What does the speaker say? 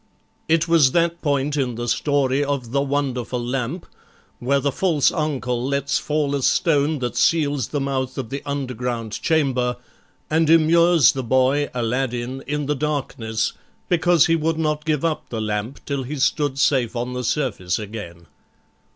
It was that point in the story of the 'Wonderful Lamp', where the false uncle lets fall a stone that seals the mouth of the underground chamber; and immures the boy, Aladdin, in the darkness, because he would not give up the lamp till he stood safe on the surface again.